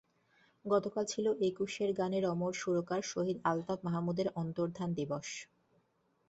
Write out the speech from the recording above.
গতকাল ছিল একুশের গানের অমর সুরকার শহীদ আলতাফ মাহমুদের অন্তর্ধান দিবস।